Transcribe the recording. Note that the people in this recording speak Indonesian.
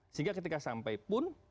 sehingga ketika sampai pun